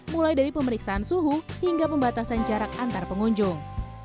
mulai dari pemeriksaan suhu hingga pembatasan jarak antar pengunjung